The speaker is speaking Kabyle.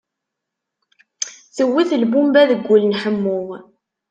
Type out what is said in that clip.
Tewwet lbumba deg wul n Ḥemmu.